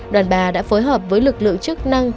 đoàn bà đã phối hợp với lực lượng chức năng